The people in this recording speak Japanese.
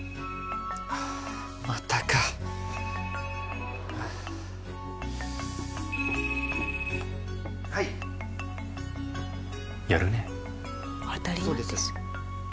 またかはいやるね当たり前ですそうです